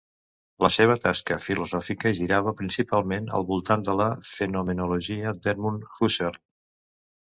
La seva tasca filosòfica girava principalment al voltant de la fenomenologia d'Edmund Husserl.